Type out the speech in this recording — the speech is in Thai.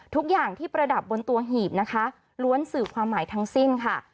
ทุกอย่างที่ประดับบนตัวหีบนะคะล้วนสื่อความหมายทั้งสิ้นค่ะ